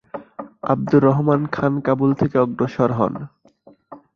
আবদুর রহমান খান কাবুল থেকে অগ্রসর হন।